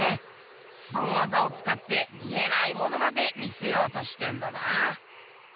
すご技をつかって見えないものまで見せようとしてんのな。